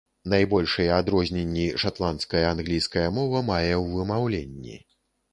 Найбольшыя адрозненні шатландская англійская мова мае ў вымаўленні.